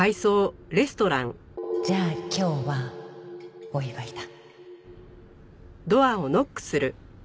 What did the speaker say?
じゃあ今日はお祝いだ。